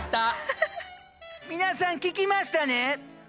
皆さん聞きましたね？